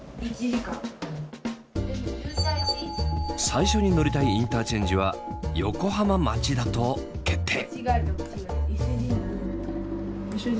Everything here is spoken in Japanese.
最初に乗りたいインターチェンジは横浜町田と決定。